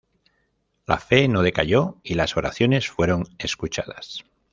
La fe no decayó y las oraciones fueron escuchadas.